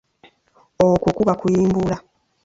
Okwo kuba kuyimbula.